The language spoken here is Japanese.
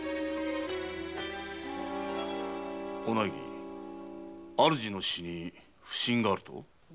お内儀主の死に不審があるとか？